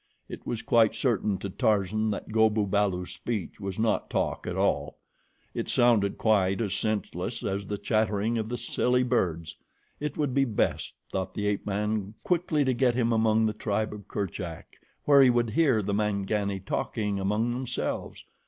It was quite certain to Tarzan that Go bu balu's speech was not talk at all. It sounded quite as senseless as the chattering of the silly birds. It would be best, thought the ape man, quickly to get him among the tribe of Kerchak where he would hear the Mangani talking among themselves.